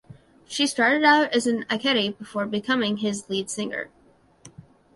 She started out as an Ikette before becoming his lead singer.